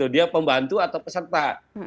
dia pembantu atau peserta